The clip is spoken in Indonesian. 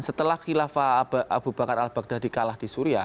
setelah khilafah abu bakar al baghdadi kalah di suria